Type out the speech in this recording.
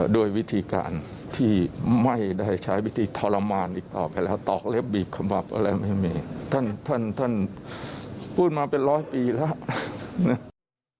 ด้วยวิธีการที่ไม่ได้ใช้วิธีทรมานอีกต่อไปแล้วตอกเล็บบีบขมับอะไรไม่มีท่านท่านพูดมาเป็นร้อยปีแล้วนะ